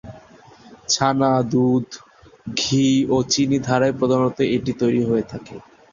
ছানা, দুধ, ঘি ও চিনি দ্বারাই প্রধানত এটি তৈরি হয়ে থাকে।